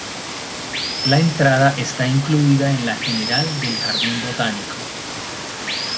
La entrada está incluida en la general del jardín botánico.